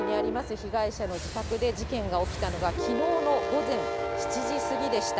被害者の自宅で事件が起きたのがきのうの午前７時過ぎでした。